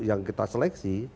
yang kita seleksi